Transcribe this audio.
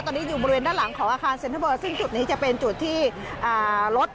ตอนนี้อยู่บริเวณด้านหลังของอาคารค่ายซั่นเวิร์กซึ่งมีหนึ่งส่วนงานที่